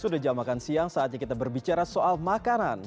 sudah jam makan siang saatnya kita berbicara soal makanan